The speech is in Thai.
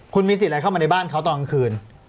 คุณมีสิทธิ์อะไรเข้ามาในบ้านเขาตอนกลางคืน